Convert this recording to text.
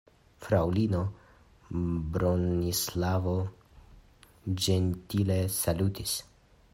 Fraŭlino Bronislavo ĝentile salutis.